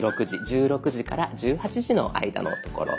１６時から１８時の間のところです。